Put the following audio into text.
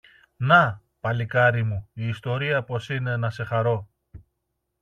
Να, παλικάρι μου, η ιστορία πώς είναι, να σε χαρώ!